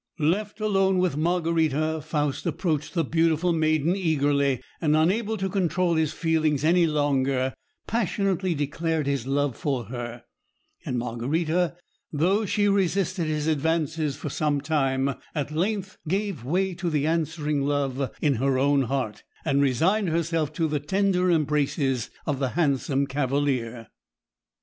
Left alone with Margarita, Faust approached the beautiful maiden eagerly, and, unable to control his feelings any longer, passionately declared his love for her; and Margarita, though she resisted his advances for some time, at length gave way to the answering love in her own heart, and resigned herself to the tender embraces of the handsome cavalier.